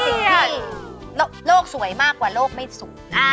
หลายมากกว่าโรคไม่สูง